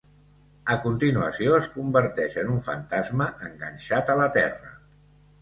A continuació, es converteix en un fantasma, enganxat a la terra.